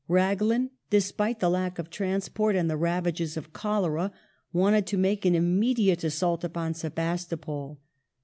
Raglan, despite the lack of transport and the ravages of cholera, wanted to make an immediate assault upon Sebastopol.